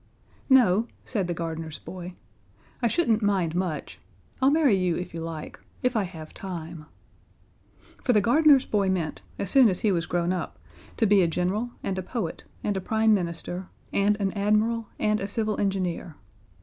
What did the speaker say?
"No," said the gardener's boy. "I shouldn't mind much. I'll marry you if you like if I have time." For the gardener's boy meant, as soon as he was grown up, to be a general and a poet and a Prime Minister and an admiral and a civil engineer.